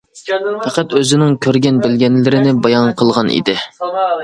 پەقەت ئۆزىنىڭ كۆرگەن بىلگەنلىرىنى بايان قىلغان ئىدى.